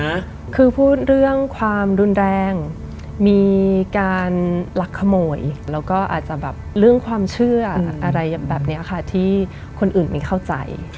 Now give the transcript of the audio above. คือพูดเรื่องความรุนแรงมีการหลักขโมยแล้วก็อาจจะแบบเรื่องความเชื่ออะไรแบบนี้ค่ะที่คนอื่นมีเข้าใจ